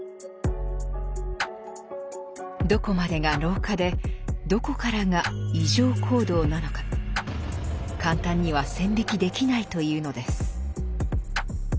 どこまでが老化でどこからが異常行動なのか簡単には線引きできないというのです。